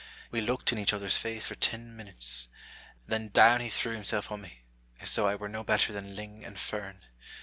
We looked in each other's face for ten minutes; then down he threw himself on me, as though I were no better than ling and fern.